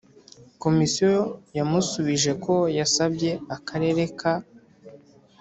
Komisiyo yamusubije ko yasabye Akarere ka